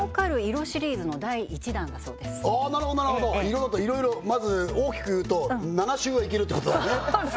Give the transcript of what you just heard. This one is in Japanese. なるほどなるほど色だといろいろまず大きくいうと７週はいけるってことだね